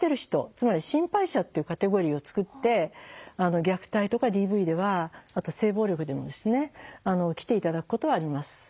つまり「心配者」っていうカテゴリーを作って虐待とかＤＶではあと性暴力でもですね来て頂くことはあります。